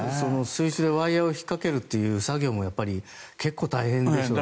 水中でワイヤを引っかける作業もやっぱり結構大変ですよね。